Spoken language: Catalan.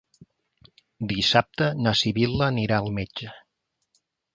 Dissabte na Sibil·la anirà al metge.